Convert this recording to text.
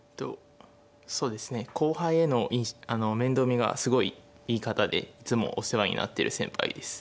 そうですね後輩への面倒見がすごいいい方でいつもお世話になってる先輩です。